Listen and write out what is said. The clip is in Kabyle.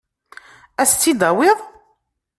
Ad as-tt-id-tawiḍ?